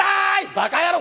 「バカ野郎！